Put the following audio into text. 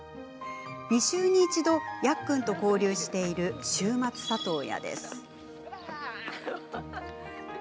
２週に一度、やっくんと交流している週末里親です。